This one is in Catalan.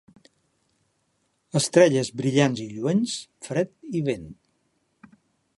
Estrelles brillants i lluents, fred i vent.